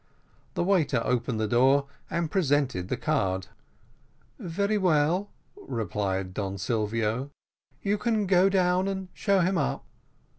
The waiter opened the door, and presented the card. "Very well," replied Don Silvio, "you can go down and show him up."